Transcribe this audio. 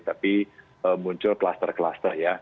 tapi muncul klaster klaster ya